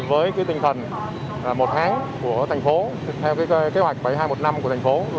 với tinh thần một tháng của thành phố theo kế hoạch bảy nghìn hai trăm một mươi năm của thành phố